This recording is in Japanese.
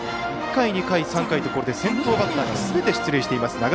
１回、２回、３回とこれで先頭バッターがすべて出塁しています